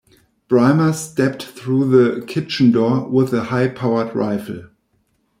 Brymer stepped through the kitchen door with a high-powered rifle.